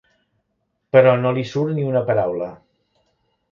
Però no li surt ni una paraula.